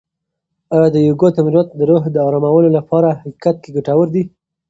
آیا د یوګا تمرینات د روح د ارامولو لپاره په حقیقت کې ګټور دي؟